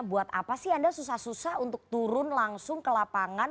buat apa sih anda susah susah untuk turun langsung ke lapangan